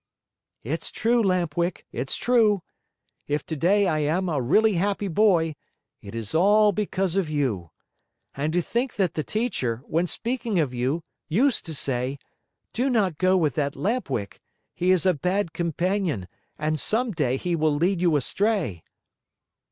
"It's true, Lamp Wick, it's true. If today I am a really happy boy, it is all because of you. And to think that the teacher, when speaking of you, used to say, 'Do not go with that Lamp Wick! He is a bad companion and some day he will lead you astray.